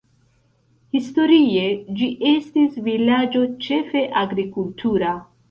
Historie ĝi estis vilaĝo ĉefe agrikultura.